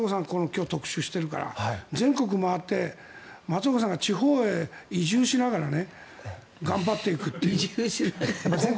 今日、特集してるから全国回って松岡さんが地方へ移住しながら頑張っていくっていう。